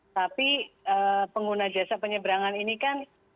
tapi pengguna jasa penyeberangan ini kan